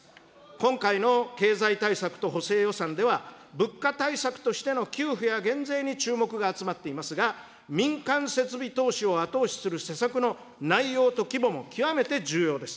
今回の経済対策と補正予算では、物価対策としての給付や減税に注目が集まっていますが、民間設備投資を後押しする施策の内容と規模も極めて重要です。